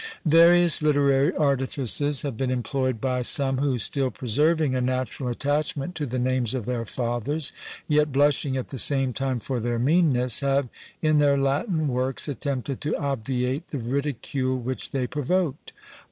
Various literary artifices have been employed by some who, still preserving a natural attachment to the names of their fathers, yet blushing at the same time for their meanness, have in their Latin works attempted to obviate the ridicule which they provoked.